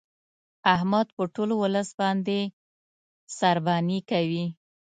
احمد په ټول ولس باندې سارباني کوي.